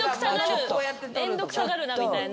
「めんどくさがるな」みたいな。